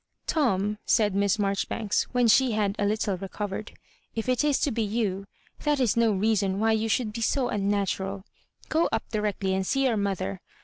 ^*Tom," said Miss Marjoribanks, when she had a little recovered, " if it is to be you, that is no reason why you should be so unnatural Go up directly and see your mother.